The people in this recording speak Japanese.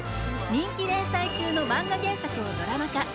人気連載中のマンガ原作をドラマ化。